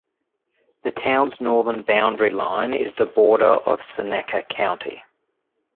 The town's northern boundary line is the border of Seneca County.